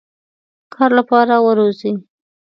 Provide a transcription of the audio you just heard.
کار لپاره وروزی.